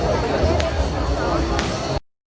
โปรดติดตามตอนต่อไป